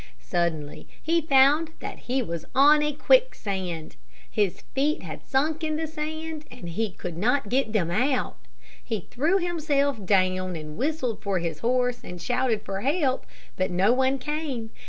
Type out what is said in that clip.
Suddenly he found that he was on a quicksand. His feet had sunk in the sand, and he could not get them out. He threw himself down, and whistled for his horse, and shouted for help, but no one came.